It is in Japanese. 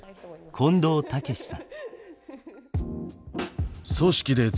近藤さん